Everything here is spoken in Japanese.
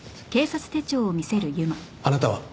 あなたは？